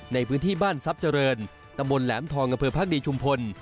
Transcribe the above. ในพื้นที่บ้านซับเจริญตะมนต์แหลมทองกระเพือภักดีชุมพล